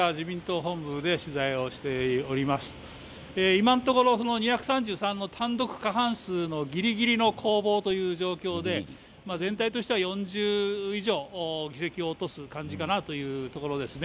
今のところ２３３の単独過半数のギリギリの攻防という状況で全体としては４０以上議席を落とす感じかなというところですね。